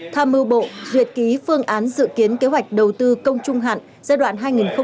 tham mưu bộ duyệt ký phương án dự kiến kế hoạch đầu tư công trung hạn giai đoạn hai nghìn hai mươi một hai nghìn hai mươi năm